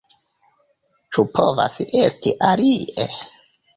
Ĉu povas esti alie?